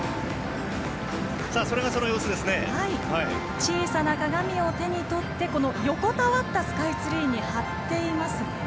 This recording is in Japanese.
小さな鏡を手に取って横たわったスカイツリーに貼っていますね。